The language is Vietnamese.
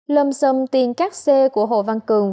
lầm xâm tiền cắt xê của hồ văn cường